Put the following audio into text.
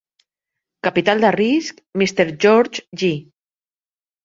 Capital de risc Mr. George J.